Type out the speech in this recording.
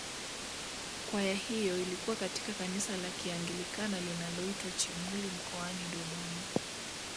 Kwaya hiyo ilikuwa katika kanisa la kianglikana linaloitwa Chimuli mkoani Dodoma